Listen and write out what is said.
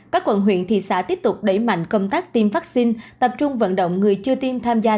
các quận huyện thị xã tiếp tục đẩy mạnh công tác tiêm vaccine tập trung vận động người chưa tiêm tham gia